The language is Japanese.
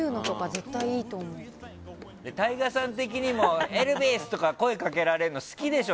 ＴＡＩＧＡさん的にもエルヴィス！とかって声をかけられるの好きでしょ？